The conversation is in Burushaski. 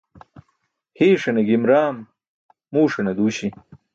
Hiiṣaṅe gim raam muuṣane duuśi.